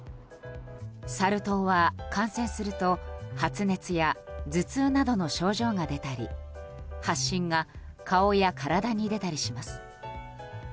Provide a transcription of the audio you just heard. サル痘は、感染すると発熱や頭痛などの症状が出たり発疹が顔や体に出たりします。